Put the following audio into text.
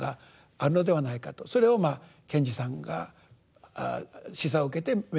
それをまあ賢治さんが示唆を受けて目覚めていく。